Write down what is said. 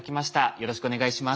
よろしくお願いします。